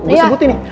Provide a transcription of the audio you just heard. gue sebutin nih